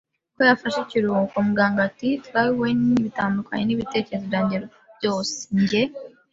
ko yafashe ikiruhuko. Muganga ati: “Trelawney, bitandukanye n'ibitekerezo byanjye byose, njye